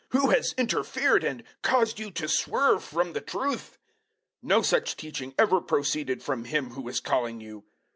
Who has interfered and caused you to swerve from the truth? 005:008 No such teaching ever proceeded from Him who is calling you.